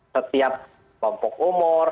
setiap kompok umur